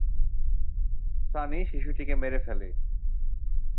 সানি শিশুটিকে মেরে ফেলে।